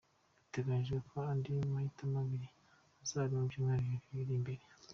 Biteganyijwe ko andi mahitamo abiri azaba mu byumweru bibiri biri imbere.